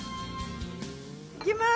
いきます。